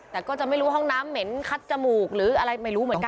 แต่ก็จะไม่รู้ห้องน้ำเหม็นคัดจมูกหรืออะไรไม่รู้เหมือนกัน